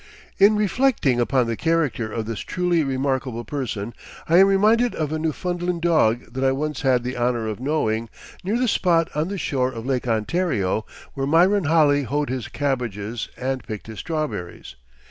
In reflecting upon the character of this truly remarkable person, I am reminded of a Newfoundland dog that I once had the honor of knowing near the spot on the shore of Lake Ontario where Myron Holley hoed his cabbages and picked his strawberries.